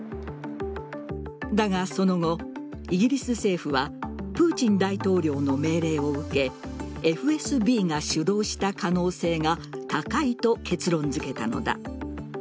だがその後、イギリス政府はプーチン大統領の命令を受けＦＳＢが主導した可能性が高いと結論付けたのだ。